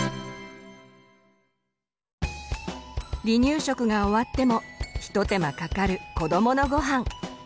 離乳食が終わっても一手間かかる子どものごはん。